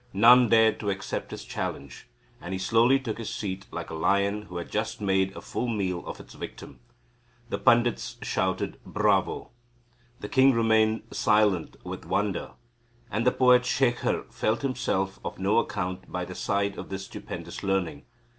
None dared to accept his challenge, and he slowly took his seat like a lion who had just made a full meal of its victim. The pandits shouted, Bravo! The king remained silent with wonder, and the poet Shekhar felt himself of no account by the side of this stupendous learning.